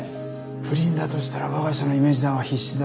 不倫だとしたら我が社のイメージダウンは必至だ。